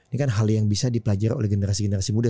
ini kan hal yang bisa dipelajari oleh generasi generasi muda